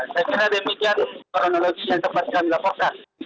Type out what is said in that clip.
saya kira demikian kronologi yang tepatkan laporan